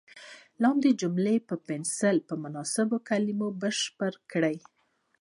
لاندې جملې په پنسل په مناسبو کلمو بشپړې کړئ.